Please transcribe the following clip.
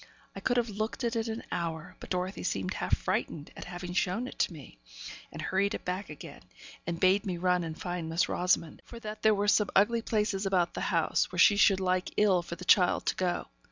I could have looked at it an hour, but Dorothy seemed half frightened at having shown it to me, and hurried it back again, and bade me run and find Miss Rosamond, for that there were some ugly places about the house, where she should like ill for the child to go.